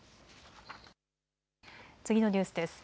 次のニュースです。